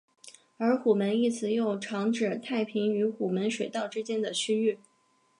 而虎门一词又常指太平与虎门水道之间的区域。